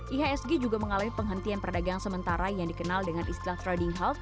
ihsg juga mengalami penghentian perdagang sementara yang dikenal dengan istilah trading health